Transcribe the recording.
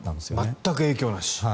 全く影響なし？